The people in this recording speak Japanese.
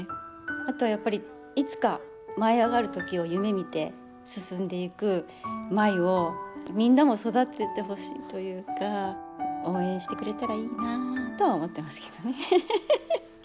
あとはやっぱりいつか舞いあがる時を夢みて進んでいく舞をみんなも育ててほしいというか応援してくれたらいいなとは思ってますけどね。